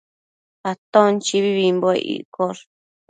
Aton chibibimbuec iccosh